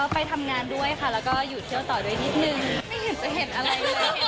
ไปทำงานด้วยนะคะแล้วก็หยุดเที่ยวต่อยด้วยนิดนึง